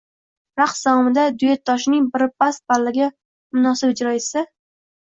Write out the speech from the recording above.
Raqs davomida duyetdoshning biri past ballga munosib ijro qilsa